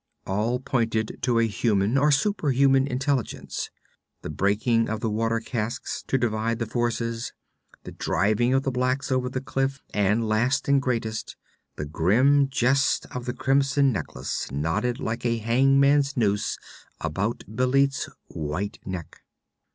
All pointed to a human or superhuman intelligence the breaking of the water casks to divide the forces, the driving of the blacks over the cliff, and last and greatest, the grim jest of the crimson necklace knotted like a hangman's noose about Bêlit's white neck.